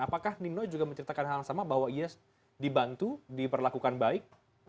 apakah nino juga menceritakan hal yang sama bahwa ia dibantu diperlakukan baik